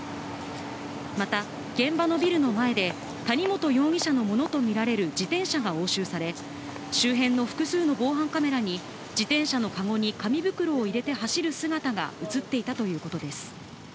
また現場のビルの前で、谷本容疑者のものとみられる自転車が押収され、周辺の複数の防犯カメラに自転車のかごに紙袋を入れて走る姿が映っていたということです。